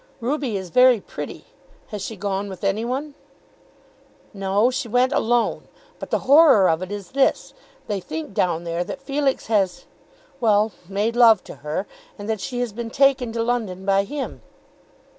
"Ruby is very pretty. Has she gone with any one?" "No; she went alone. But the horror of it is this. They think down there that Felix has, well, made love to her, and that she has been taken to London by him."